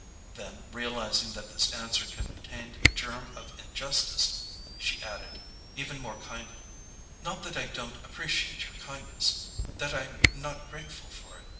Then, realizing that this answer contained a germ of injustice, she added, even more kindly: "Not that I don't appreciate your kindness—that I'm not grateful for it.